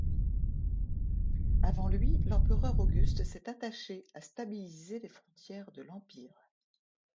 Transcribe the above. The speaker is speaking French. Avant lui l'empereur Auguste s'est attaché à stabiliser les frontières de l'Empire.